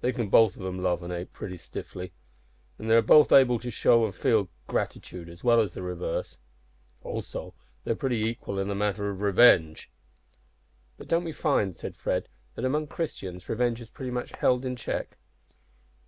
They can both of 'em love an' hate pretty stiffly, an' they are both able to feel an' show gratitude as well as the reverse also, they're pretty equal in the matter of revenge." "But don't we find," said Fred, "that among Christians revenge is pretty much held in check?"